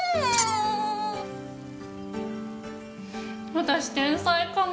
私天才かも。